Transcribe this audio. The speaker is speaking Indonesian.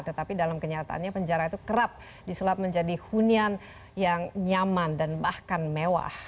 tetapi dalam kenyataannya penjara itu kerap disulap menjadi hunian yang nyaman dan bahkan mewah